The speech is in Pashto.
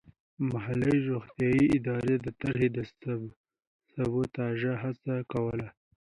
محلي روغتیايي ادارو د طرحې د سبوتاژ هڅه کوله.